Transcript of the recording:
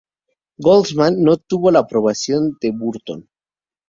Goldsman no tuvo la aprobación de Burton.